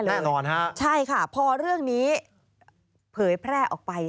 แน่นอนฮะใช่ค่ะพอเรื่องนี้เผยแพร่ออกไป